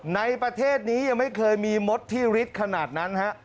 ในประเทศนี้ยังไม่เคยมีมดที่ฤทธิ์ขนาดนั้นฮะ